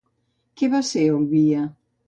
Què va ser Olbia?